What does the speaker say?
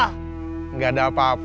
kalau gak ada apa apa gak usah nelpon